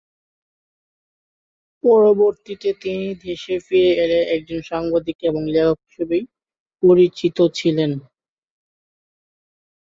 পরবর্তীতে তিনি দেশে ফিরে এলে একজন সাংবাদিক এবং লেখক হিসেবেই পরিচিত ছিলেন।